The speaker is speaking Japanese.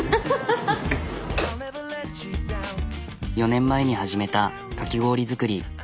４年前に始めたかき氷作り。